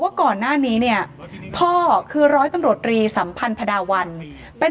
ก่อนหน้านี้เนี่ยพ่อคือร้อยตำรวจรีสัมพันธดาวันเป็น